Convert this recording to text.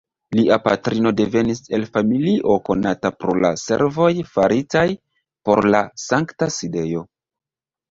Lia patrino devenis el familio konata pro la servoj faritaj por la Sankta Sidejo.